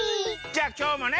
じゃあきょうもね